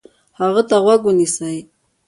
هغه ته غوږ ونیسئ،